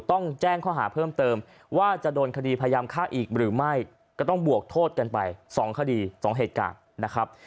ต้องแจ้งข้อหาเพิ่มเติมว่าจะโดนคดีพยายามฆ่าอีกหรือไม่ก็ต้องบวกโทษกันไป๒คดี๒เหตุการณ์นะครับ